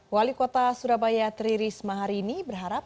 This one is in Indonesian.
wali kota surabaya tri risma hari ini berharap